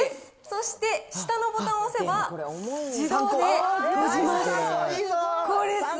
そして下のボタンを押せば、自動で閉じます。